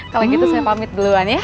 kalau gitu saya pamit duluan ya